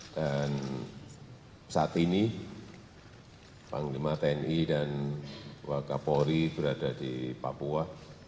dan saat ini panglima tni dan wakil kapolri berada di papua